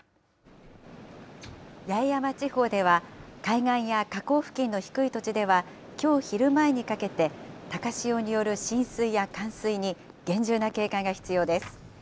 八重山地方では海岸や河口付近の低い土地ではきょう昼前にかけて、高潮による浸水や冠水に厳重な警戒が必要です。